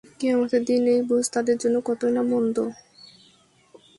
কিয়ামতের দিন এই বোঝ তাদের জন্যে কতই না মন্দ!